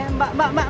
eh eh mbak mbak mbak